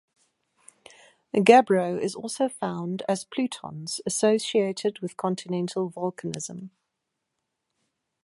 Gabbro is also found as plutons associated with continental volcanism.